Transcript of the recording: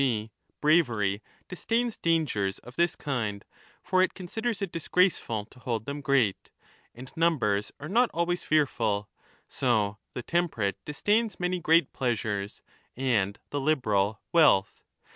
g. bravery disdains dangers of this kind — for it considers it disgraceful to hold them great ;^ and numbers are not always fearful : so the temperate disdains many great pleasures, and the liberal . wealth).